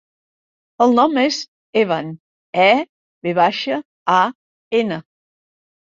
El nom és Evan: e, ve baixa, a, ena.